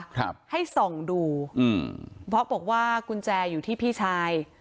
ครับให้ส่องดูอืมบล็อกบอกว่ากุญแจอยู่ที่พี่ชาย